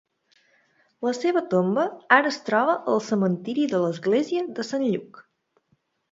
La seva tomba ara es troba al cementiri de l'església de Sant Lluc.